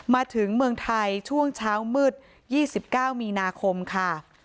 มาถึงเมืองไทยช่วงเช้ามืด๒๙มีนาคมค่ะ